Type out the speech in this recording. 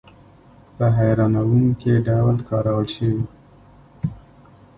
په هیرانوونکې ډول کارول شوي.